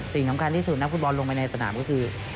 สิ่งสำคัญที่สุดนักฟุตบอลลงไปในสนามก็คือ